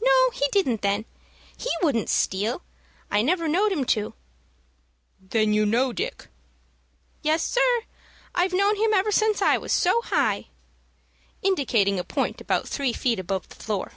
"No, he didn't, then. He wouldn't steal. I never know'd him to." "Then you know Dick?" "Yes, sir. I've knowed him ever since I was so high," indicating a point about three feet above the floor.